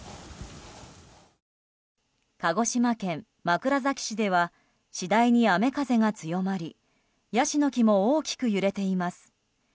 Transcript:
鹿児島県枕崎市では次第に雨風が強まりヤシの木も大きく揺れています。